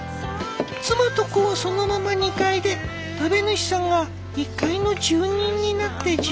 妻と子はそのまま２階で食べ主さんが１階の住人になって１０年。